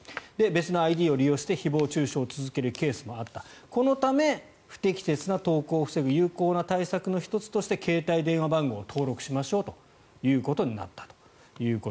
別のＩＤを利用して誹謗・中傷を続けるケースもあったこのため不適切な投稿を防ぐ有効な対策の１つとして携帯電話番号を登録しましょうということになったと。